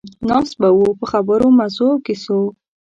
ناست به وو په خبرو، مزو او کیسو.